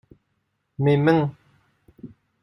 Mes mains.